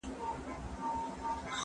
زه پرون شګه پاکه کړه!!